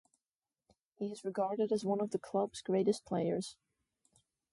He is regarded as one of the club's greatest players.